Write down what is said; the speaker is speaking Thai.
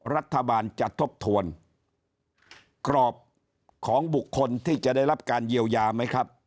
รัฐบาลจะทบทวนกรอบของบุคคลที่จะได้รับการเยียวยาไหมครับ